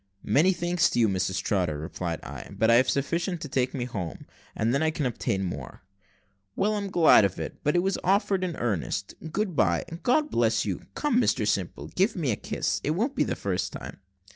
"Many thanks to you, Mrs Trotter," replied I; "but I have sufficient to take me home, and then I can obtain more." "Well, I'm glad of it, but it was offered in earnest. Good bye, God bless you! Come, Mr Simple, give me a kiss; it won't be the first time."